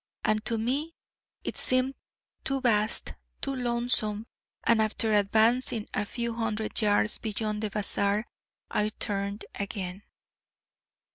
And to me it seemed too vast, too lonesome, and after advancing a few hundred yards beyond the bazaar, I turned again.